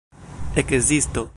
ekzisto